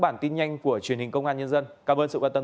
bản tin nhanh của truyền hình công an nhân dân cảm ơn sự quan tâm